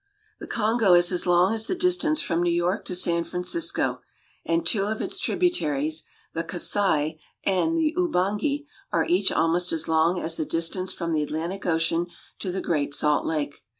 The Kongo is as long as the distance from New York to San Francisco, and two of its tributaries, the Kassai (kas si') and the Ubangi (66 ban'ge), are each almost as long as the distance from the Atlantic Ocean to the Great Salt Lake.